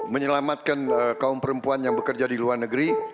menyelamatkan kaum perempuan yang bekerja di luar negeri